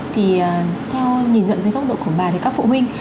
thì theo nhìn nhận dưới góc độ của bà thì các phụ huynh